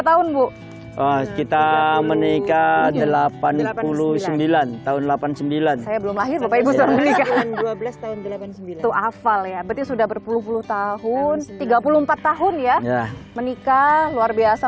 tahun bu kita menikah delapan puluh sembilan tahun delapan puluh sembilan saya belum lahir bapak ibu sudah berpuluh puluh tahun tiga puluh empat tahun ya